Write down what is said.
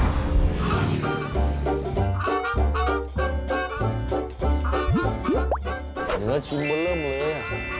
เนื้อชิงหมดเริ่มเลย